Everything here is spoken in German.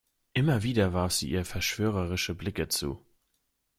Immer wieder warf sie ihr verschwörerische Blicke zu.